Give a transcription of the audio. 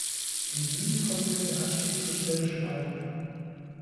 Im Süden folgt der Anstieg zur Schwäbischen Alb.